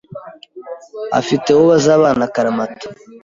afite uwo bazabana akaramata .